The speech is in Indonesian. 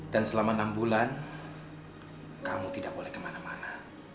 dan selama enam bulan kamu tidak boleh kemana mana